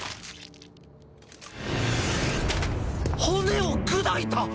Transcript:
骨を砕いた！？